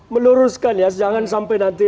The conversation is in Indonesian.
meluruskan ya jangan sampai nanti